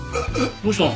どうしたの？